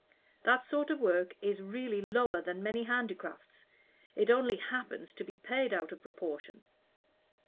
That sort of work is really lower than many handicrafts; it only happens to be paid out of proportion.